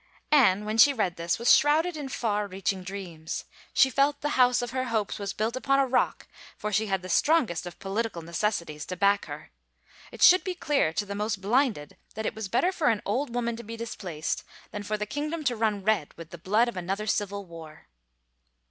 Anne, when she read this, was shrouded in far reach ing dreams. She felt the house of her hopes was built upon a rock for she had the strongest of political neces sities to back her. It should be clear to the most blinded that it was better for an old woman to be displaced than for the kingdom to run red with the blood of another civil war.